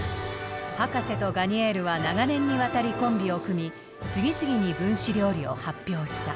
博士とガニェールは長年にわたりコンビを組み次々に分子料理を発表した。